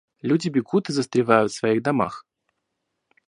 Люди бегут и застревают в своих домах.